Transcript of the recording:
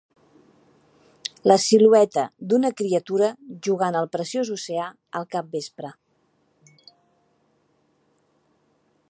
La silueta d'una criatura jugant al preciós oceà al capvespre.